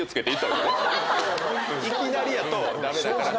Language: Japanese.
いきなりやと駄目だから。